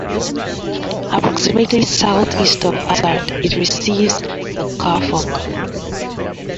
Approximately southeast of Hazard, it receives the Carr Fork.